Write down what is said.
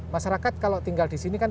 masyarakat kalau tinggal di sini kan